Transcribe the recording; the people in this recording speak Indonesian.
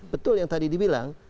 betul yang tadi dibilang